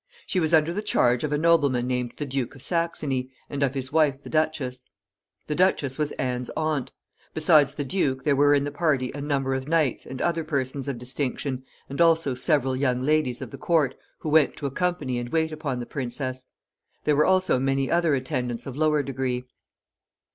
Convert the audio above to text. She was under the charge of a nobleman named the Duke of Saxony, and of his wife the duchess. The duchess was Anne's aunt. Besides the duke, there were in the party a number of knights, and other persons of distinction, and also several young ladies of the court, who went to accompany and wait upon the princess. There were also many other attendants of lower degree.